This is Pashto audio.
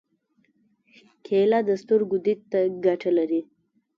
کېله د سترګو دید ته ګټه لري.